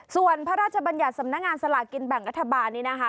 ส่วนพระราชบัญญัติสำนักงานสลากินแบ่งรัฐบาลนี้นะคะ